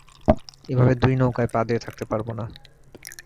এভাবে দুই নৌকায় পা দিয়ে থাকতে পারব না।